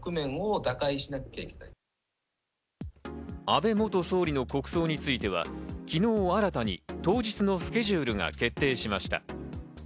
安倍元総理の国葬については、昨日新たに当日のスケジュールが決定しました。